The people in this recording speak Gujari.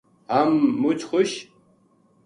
ہم مُچ خوش